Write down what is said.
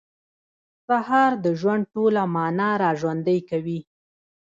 سهار د ژوند ټوله معنا راژوندۍ کوي.